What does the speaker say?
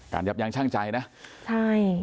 การยับอย่างช่างใจนะ